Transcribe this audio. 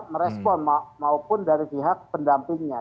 merespon maupun dari pihak pendampingnya